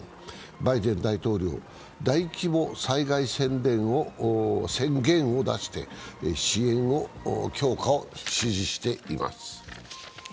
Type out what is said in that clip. バイデン大統領は大規模災害宣言を出して支援の強化を指示しています。